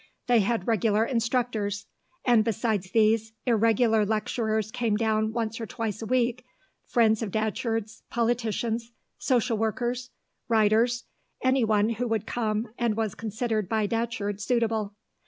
They had regular instructors; and besides these, irregular lecturers came down once or twice a week, friends of Datcherd's, politicians, social workers, writers, anyone who would come and was considered by Datcherd suitable.